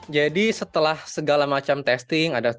jadi setelah segala macam testing ada